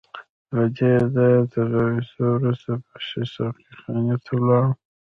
له دې ځایه تر راوتو وروسته به سیده ساقي خانې ته ولاړم.